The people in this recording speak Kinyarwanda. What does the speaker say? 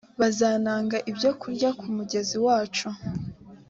bazanaga ibyokurya ku mugezi wacu